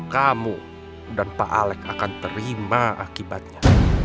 kamu dan pak alex akan terima akibatnya